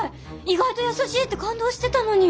意外と優しいって感動してたのに！